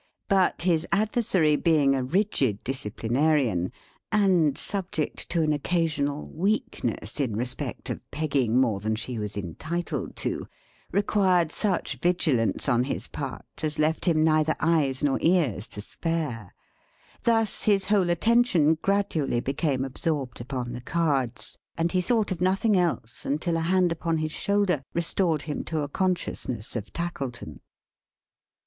But his adversary being a rigid disciplinarian, and subject to an occasional weakness in respect of pegging more than she was entitled to, required such vigilance on his part, as left him neither eyes nor ears to spare. Thus, his whole attention gradually became absorbed upon the cards; and he thought of nothing else, until a hand upon his shoulder restored him to a consciousness of Tackleton.